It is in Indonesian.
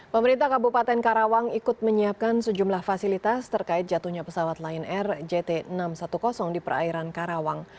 pemerintah kabupaten karawang ikut menyiapkan sejumlah fasilitas terkait jatuhnya pesawat lion air jt enam ratus sepuluh di perairan karawang